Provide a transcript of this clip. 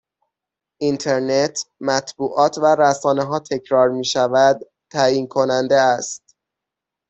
اینترنت مطبوعات و رسانه ها تکرار می شود تعیین کننده است